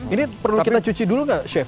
ini perlu kita cuci dulu nggak chef